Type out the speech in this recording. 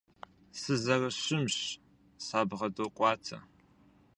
Сызэрыщымщ, сабгъэдокӀуатэ.